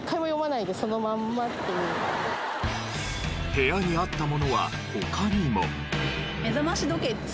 部屋にあったものは他にも。